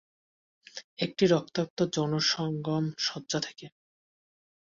একটি রক্তাক্ত যৌনসঙ্গম সজ্জা থেকে?